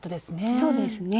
そうですね。